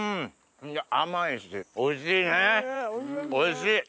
甘いしおいしいねおいしい！